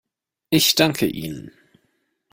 Ich danke Ihnen.